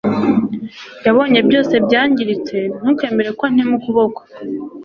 Yabonye byose byangiritse Ntukemere ko antema ukuboko